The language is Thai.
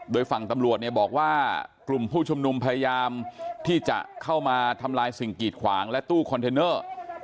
โดยฝั่งตำรวจเนี่ยบอกว่ากลุ่มผู้ชุมนุมพยายามที่จะเข้ามาทำลายสิ่งกีดขวางและตู้คอนเทนเนอร์